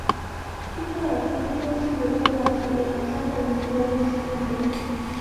西科尔斯基宫是波兰首都华沙的一座历史建筑。